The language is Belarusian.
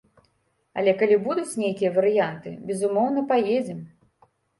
Але калі будуць нейкія варыянты, безумоўна, паедзем.